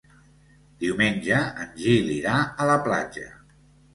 Diumenge en Gil irà a la platja.